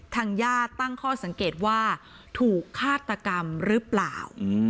ทางญาติตั้งข้อสังเกตว่าถูกฆาตกรรมหรือเปล่า